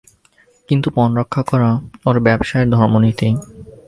কিন্তু পণ রক্ষা করা ওর ব্যাবসায়ের ধর্মনীতি।